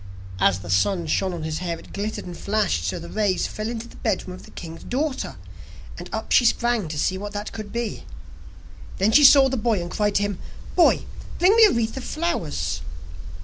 As the sun shone on his hair it glittered and flashed so that the rays fell into the bedroom of the king's daughter, and up she sprang to see what that could be. Then she saw the boy, and cried to him: 'Boy, bring me a wreath of flowers.